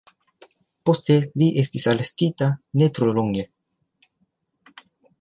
Poste li estis arestita ne tro longe.